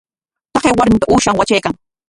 Taqay warmi uushan watraykan.